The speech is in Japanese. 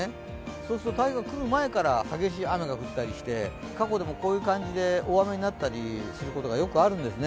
そうすると、台風が来る前から激しい雨が降ったりして、過去でもこういう感じで大雨になったりすることがよくあるんですね。